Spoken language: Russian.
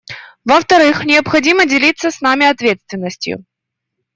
Во-вторых, необходимо делиться с нами ответственностью.